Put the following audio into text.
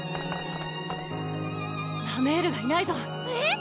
ラメールがいないぞえっ